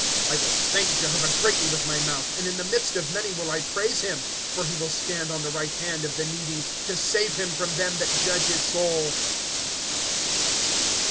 ^^ I will thank Jehovah greatly with niy mouth, And in the midst of many will I praise him. *^ For he will stand on the right hand of the needy, To save him from them that judge his soul.